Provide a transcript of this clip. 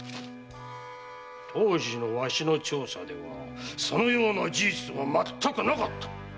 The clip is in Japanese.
当時のわしの調査ではそんな事実はまったくなかった。